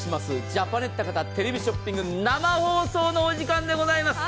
ジャパネットたかたテレビショッピング生放送のお時間でございます。